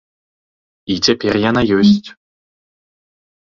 І цяпер яна ёсць.